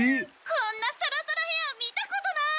こんなサラサラヘア見たことない！